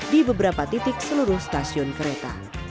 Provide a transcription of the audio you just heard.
di beberapa titik seluruh stasiun kereta